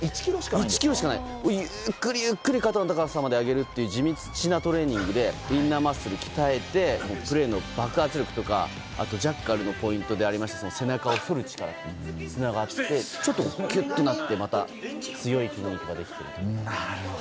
１ｋｇしかないんですけどゆっくりと肩の高さまで上げるという地味なトレーニングでインナーマッスルを鍛えてプレーの爆発力とかジャッカルのポイントの背中を反る力を鍛えてちょっとキュッとなってまた強くなったと。